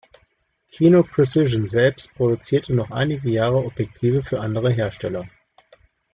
Kino Precision selbst produzierte noch einige Jahre Objektive für andere Hersteller.